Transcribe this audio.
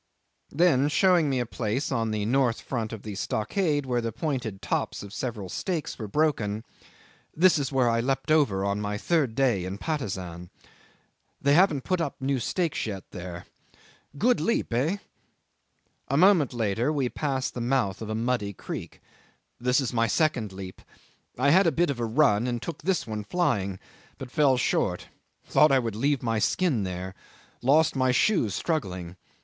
Then showing me a place on the north front of the stockade where the pointed tops of several stakes were broken, "This is where I leaped over on my third day in Patusan. They haven't put new stakes there yet. Good leap, eh?" A moment later we passed the mouth of a muddy creek. "This is my second leap. I had a bit of a run and took this one flying, but fell short. Thought I would leave my skin there. Lost my shoes struggling.